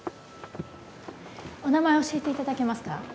お名前教えていただけますか？